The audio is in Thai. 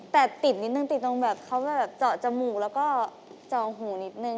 แต่ติดนิดนึงติดตรงแบบเขาแบบเจาะจมูกแล้วก็จองหูนิดนึง